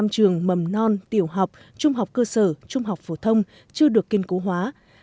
bốn ba trăm năm mươi năm trường mầm non tiểu học trung học cơ sở trung học phổ thông chưa được kiên cố hóa